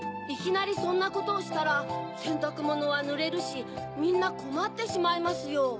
いきなりそんなことをしたらせんたくものはぬれるしみんなこまってしまいますよ。